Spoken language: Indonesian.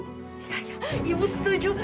iya ibu setuju